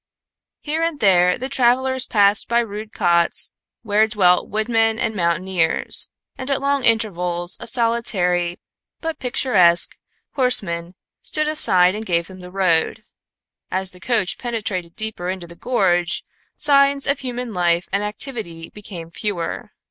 Here and there the travelers passed by rude cots where dwelt woodmen and mountaineers, and at long intervals a solitary but picturesque horseman stood aside and gave them the road. As the coach penetrated deeper into the gorge, signs of human life and activity became fewer.